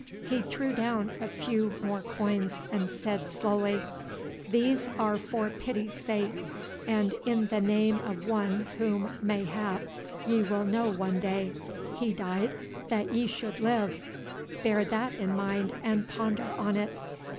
He threw down a few more coins and said slowly: "These are for pity's sake, and in the name of One Whom mayhap ye will know one day. He died that ye should live! Bear that in mind and ponder on it.